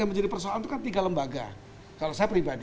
yang menjadi persoalan itu kan tiga lembaga kalau saya pribadi